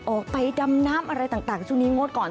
ออกไปดำน้ำอะไรต่างช่วงนี้งดก่อน